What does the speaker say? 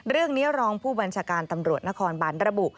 เรื่องนี้รองผู้บัญชาการตำรวจนครบันระบุ